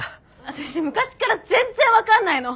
私昔から全然分かんないの！